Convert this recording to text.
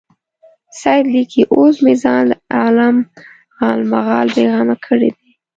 سید لیکي اوس مې ځان له عالم غالمغال بېغمه کړی دی.